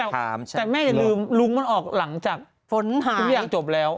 แต่แม่อย่าลืมลุงมันออกหลังจากฝนหายทุกอย่างจบแล้ว